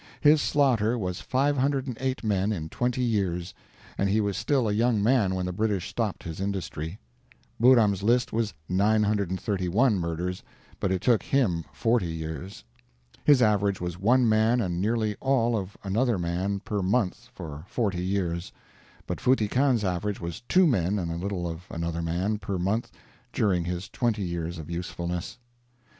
His slaughter was 508 men in twenty years, and he was still a young man when the British stopped his industry. Buhram's list was 931 murders, but it took him forty years. His average was one man and nearly all of another man per month for forty years, but Futty Khan's average was two men and a little of another man per month during his twenty years of usefulness.